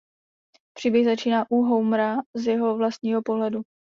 Příběh začíná u Homera z jeho vlastního pohledu.